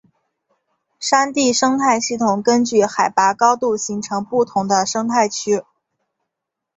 山地生态系统根据海拔高度形成不同的生态区。